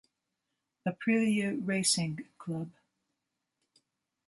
Aprilia Racing Club.